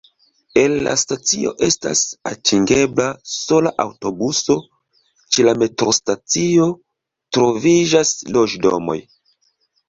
El la stacio estas atingebla sola aŭtobuso, ĉe la metrostacio troviĝas loĝdomoj.